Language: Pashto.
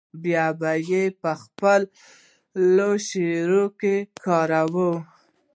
او بيا به پۀ خپله شاعرۍ کښې کارول ۔